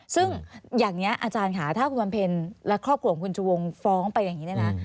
ซึ่งอย่างนี้อาจารย์ค่ะถ้าคุณบำเพ็ญและครอบครัวของคุณชูวงฟ้องไปอย่างนี้เนี่ยนะ